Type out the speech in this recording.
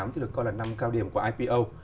thì được coi là năm cao điểm của ipo